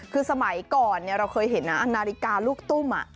คือสมัยก่อนเราเคยเห็นนะนาฬิกาลูกตุ้ม